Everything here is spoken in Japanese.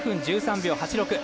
２分１３秒８６。